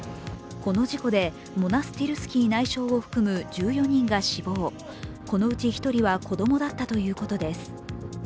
この事故でモナスティルスキー内相を含む１４人が死亡、このうち１人は子供だったということです。